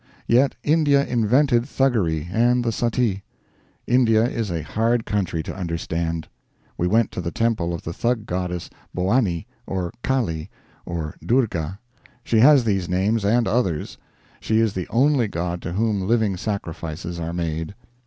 Yet India invented Thuggery and the Suttee. India is a hard country to understand. We went to the temple of the Thug goddess, Bhowanee, or Kali, or Durga. She has these names and others. She is the only god to whom living sacrifices are made.